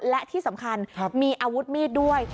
และที่สำคัญมีอาวุธมีดด้วย